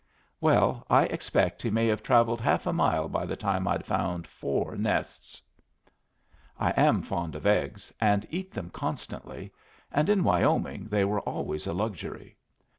Well, I expect he may have travelled half a mile by the time I'd found four nests." I am fond of eggs, and eat them constantly and in Wyoming they were always a luxury.